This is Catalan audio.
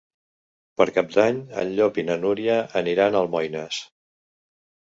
Per Cap d'Any en Llop i na Núria aniran a Almoines.